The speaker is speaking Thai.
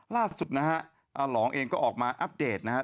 ล่าสุดนะฮะอาหลองเองก็ออกมาอัปเดตนะครับ